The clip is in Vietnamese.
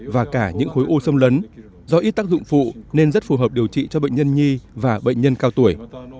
và cả những khối u xâm lấn do ít tác dụng phụ nên rất phù hợp điều trị cho bệnh nhân nhi và bệnh nhân cao tuổi